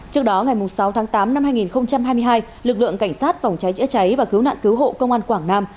trước đó ngày sáu tháng tám năm hai nghìn hai mươi hai lực lượng cảnh sát phòng cháy chữa cháy và cứu nạn cứu hộ công an quảng nam